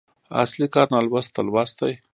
اصلي کار نالوستو ته لوست دی.